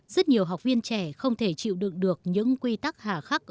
rất nhiều học viên trẻ không thể chịu được được những quy tắc hạ khắc ở đây